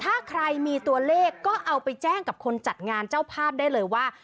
ถ้าใครมีตัวเลขก็เอาไปแจ้งกับคนจัดงานเจ้าภาพได้เลยว่า